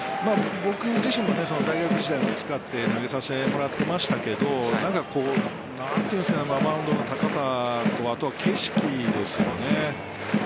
僕自身も大学時代も使って投げさせてもらっていましたがマウンドの高さとあと景色ですよね。